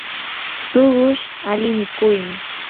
tuqushu ali mikuymi.